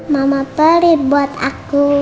mama pelit buat aku